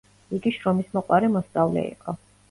იგი შრომისმოყვარე მოსწავლე იყო.